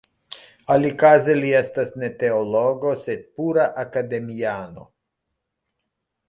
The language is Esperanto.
Alikaze li estas ne teologo sed pura akademiano.